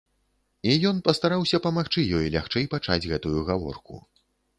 І ён пастараўся памагчы ёй лягчэй пачаць гэтую гаворку.